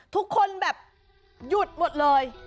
ทุกคนแบบหยุดหมดเลย